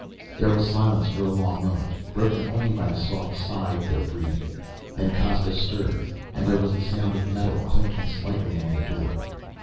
There was silence for a long moment, broken only by the soft sigh of their breathing. Then Costa stirred and there was the sound of metal clinking slightly on the floor.